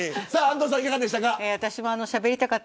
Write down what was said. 安藤さん、いかがでしたか。